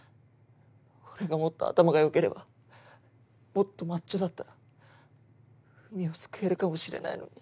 俺がもっと頭が良ければもっとマッチョだったらうみを救えるかもしれないのに。